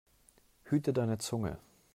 Hüte deine Zunge!